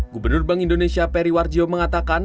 gubernur bank indonesia peri warjio mengatakan